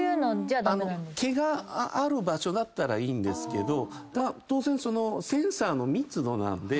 毛がある場所だったらいいんですけど当然センサーの密度なんで。